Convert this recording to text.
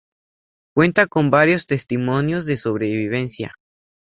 Cuenta con varios testimonios de sobrevivencia.